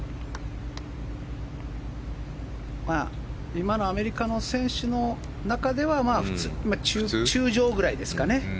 今のアメリカの選手の中では中上ぐらいですかね。